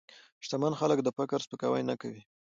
شتمن خلک د فقر سپکاوی نه کوي.